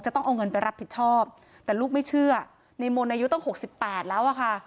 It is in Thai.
ต้องเอาเงินไปรับผิดชอบแต่ลูกไม่เชื่อในมนต์อายุตั้ง๖๘แล้วอะค่ะ